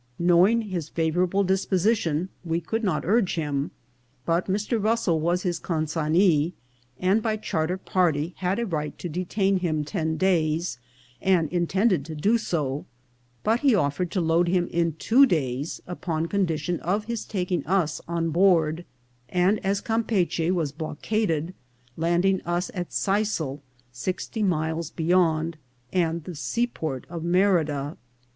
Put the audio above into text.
Knowing his fa vourable disposition, we could not urge him ; but Mr. Russell was his consignee, and by charter party had a right to detain him ten days, and intended to do so ; but he offered to load him in two days upon condition of his taking us on board, and, as Campeachy was block aded, landing us at Sisal, sixty miles beyond, and the seaport of Merida.